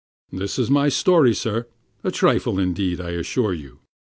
This is my story, sir; a trifle, indeed, I assure you.